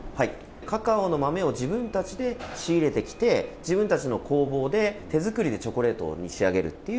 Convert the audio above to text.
カカオの豆を自分たちで仕入れてきて自分たちの工房で手作りでチョコレートに仕上げる。